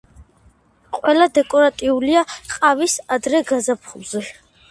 ყველა დეკორატიულია, ყვავის ადრე გაზაფხულზე.